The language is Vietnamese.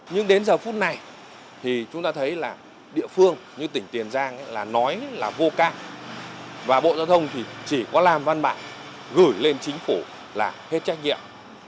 nhưng đến giờ phút này chúng ta thấy là địa phương như tỉnh tiền giang nói là vô ca và bộ giao thông chỉ có làm văn mạng gửi lên chính phủ là hết trách nhiệm